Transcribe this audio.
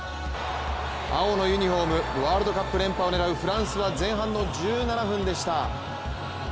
青のユニフォームワールドカップ連覇を狙うフランスは前半の１７分でした。